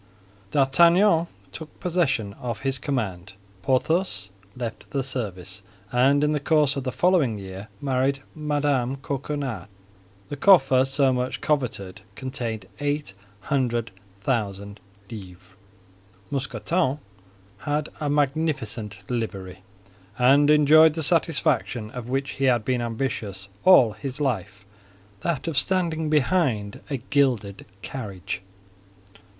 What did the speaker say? D'Artagnan took possession of his command. Porthos left the service, and in the course of the following year married Mme. Coquenard; the coffer so much coveted contained eight hundred thousand livres. Mousqueton had a magnificent livery, and enjoyed the satisfaction of which he had been ambitious all his life—that of standing behind a gilded carriage.